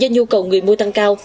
do nhu cầu người mua tăng cao